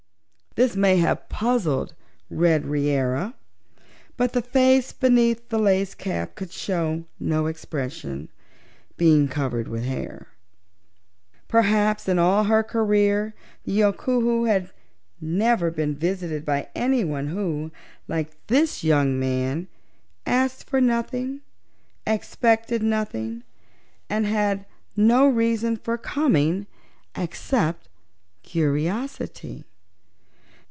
This may have puzzled Red Reera, but the face beneath the lace cap could show no expression, being covered with hair. Perhaps in all her career the Yookoohoo had never been visited by anyone who, like this young man, asked for nothing, expected nothing, and had no reason for coming except curiosity.